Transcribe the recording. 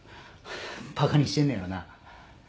バカにしてんねやろうな。